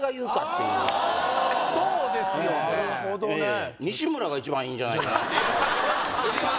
そうですよねああ